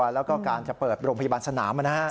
แล้วก็การจะเปิดโรงพยาบาลสนาม